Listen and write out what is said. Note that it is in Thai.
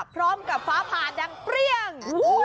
พร้อมกับฟ้าผ่าดังเปรี้ยง